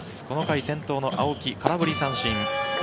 この回先頭の青木、空振り三振。